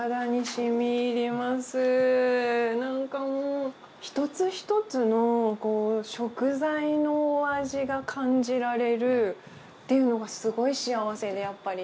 なんかもう一つ一つの食材のお味が感じられるっていうのがすごい幸せでやっぱり。